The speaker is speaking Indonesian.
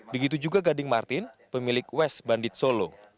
begitu juga gading martin pemilik west bandit solo